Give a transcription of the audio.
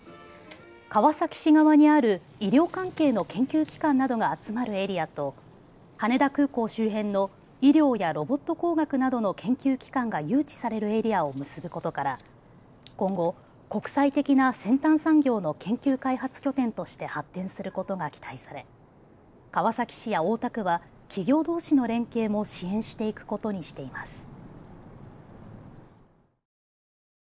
川崎市側にある医療関係の研究機関などが集まるエリアと羽田空港周辺の医療やロボット工学などの研究機関が誘致されるエリアを結ぶことから今後、国際的な先端産業の研究開発拠点として発展することが期待され川崎市や大田区は企業どうしの連携も支援していくことにしています。